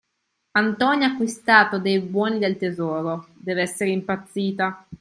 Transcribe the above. Antonia ha acquistato dei buoni del tesoro, dev'essere impazzita.